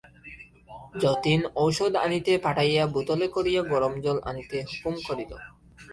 যতীন ঔষধ আনিতে পাঠাইয়া বোতলে করিয়া গরম জল আনিতে হুকুম করিল।